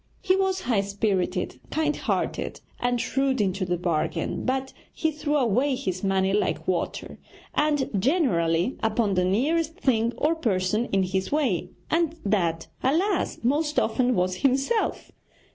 He was high spirited, kind hearted, and shrewd into the bargain; but he threw away his money like water, and generally upon the nearest thing or person in his way, and that, alas! most often was himself!